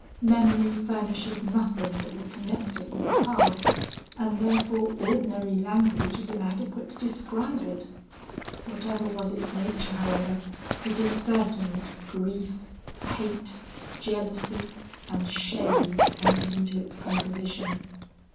Memory furnishes nothing that will connect it with the past, and therefore ordinary language is inadequate to describe it. Whatever was its nature, however, it is certain that grief, hate, jealousy, and shame entered into its composition.